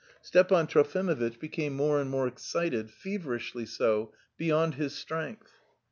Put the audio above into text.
Stepan Trofimovitch became more and more excited, feverishly so, beyond his strength.